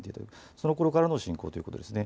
そのころからの親交ということですね。